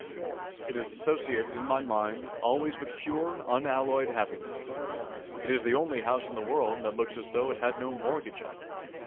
It is associated in my mind always with pure, unalloyed happiness. It is the only house in the world that looks as though it had no mortgage on it.